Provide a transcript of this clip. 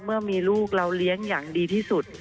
เมื่อมีลูกเราเลี้ยงอย่างดีที่สุด